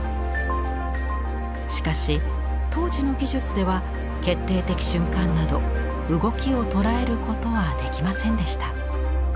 しかし当時の技術では決定的瞬間など動きを捉えることはできませんでした。